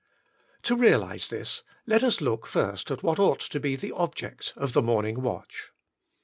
To realise this, let us look first at what ought to be THE Object of the morning watch.